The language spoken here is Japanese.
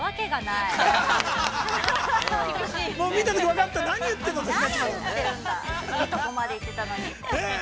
いいとこまで行ってたのに。